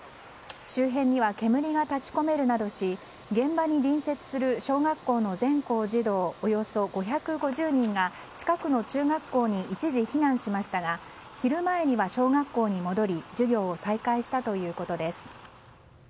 周辺には煙が立ち込めるなどし現場に隣接する小学校の全校児童およそ５５０人が近くの中学校に一時避難しましたが昼前には小学校に戻り授業を再開したということです。